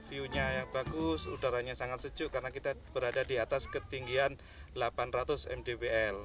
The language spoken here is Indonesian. view nya yang bagus udaranya sangat sejuk karena kita berada di atas ketinggian delapan ratus mdwl